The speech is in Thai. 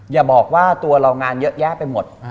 อย่าบอกว่าตัวเรางานเยอะแยะไปหมด